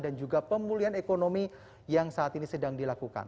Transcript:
juga pemulihan ekonomi yang saat ini sedang dilakukan